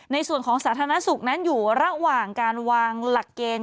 สาธารณสุขนั้นอยู่ระหว่างการวางหลักเกณฑ์